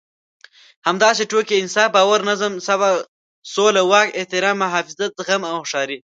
همداسې ټوکې، انصاف، باور، نظم، صبر، سوله، واک، احترام، محافظت، زغم او هوښياري.